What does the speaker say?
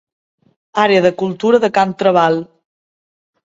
Àrea de cultura de Can Trabal.